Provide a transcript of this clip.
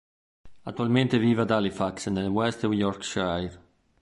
Attualmente vive ad Halifax, nel West Yorkshire.